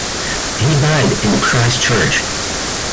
He died in Christchurch.